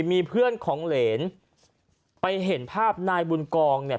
มีเพื่อนของเหรนไปเห็นภาพนายบุญกองเนี่ย